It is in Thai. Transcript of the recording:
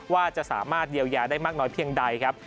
ว่าจะสามารถเยียวยาได้มากน้อยเพียงใดครับ